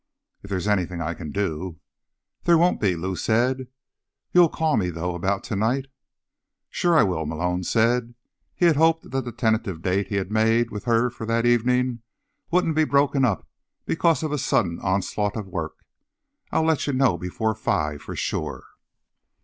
"If there's anything I can do—" "There won't be," Lou said. "You'll call me, though, about tonight?" "Sure I will," Malone said. He hoped that the tentative date he'd made with her for that evening wouldn't be broken up because of a sudden onslaught of work. "I'll let you know before five, for sure."